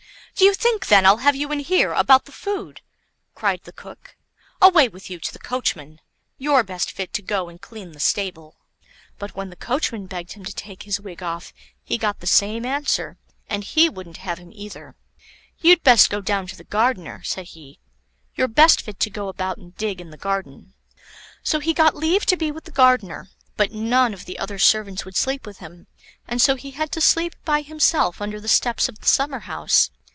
"Do you think then I'll have you in here about the food," cried the cook. "Away with you to the coachman; you're best fit to go and clean the stable." But when the coachman begged him to take his wig off, he got the same answer, and he wouldn't have him either. "You'd best go down to the gardener," said he; "you're best fit to go about and dig in the garden." So he got leave to be with the gardener, but none of the other servants would sleep with him, and so he had to sleep by himself under the steps of the summer house.